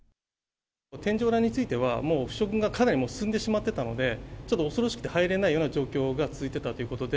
天井裏については、もう腐食がかなり進んでしまっていたので、ちょっと恐ろしくて入れないような状況が続いていたということで。